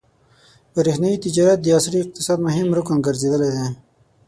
برېښنايي تجارت د عصري اقتصاد مهم رکن ګرځېدلی دی.